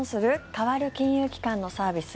変わる金融機関のサービス